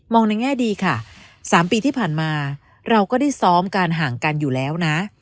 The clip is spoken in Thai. ในแง่ดีค่ะ๓ปีที่ผ่านมาเราก็ได้ซ้อมการห่างกันอยู่แล้วนะ